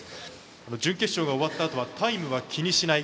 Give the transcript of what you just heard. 準決勝が終わったあとはタイムは気にしない。